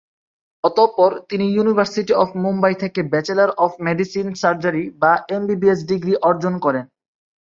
অতঃপর, তিনি university of Mumbai থেকে ব্যাচেলর অব মেডিসিন সার্জারি বা এমবিবিএস ডিগ্রি অর্জন করেন।